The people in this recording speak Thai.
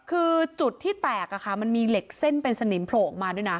คือจุดที่แตกมันมีเหล็กเส้นเป็นสนิมโผล่ออกมาด้วยนะ